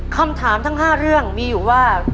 คำถามทั้ง๕เรื่องมีอยู่ว่า